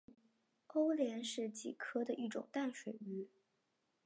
欧鲢是鲤科的一种淡水鱼。